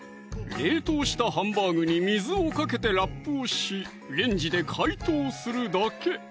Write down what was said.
冷凍したハンバーグに水をかけてラップをしレンジで解凍するだけ！